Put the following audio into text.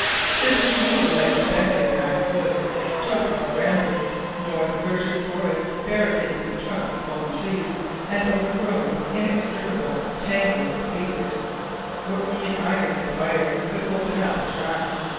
This was neither like the densely packed woods choked up with brambles, nor the virgin forest barricaded with the trunks of fallen trees, and overgrown with inextricable tangles of creepers, where only iron and fire could open up a track.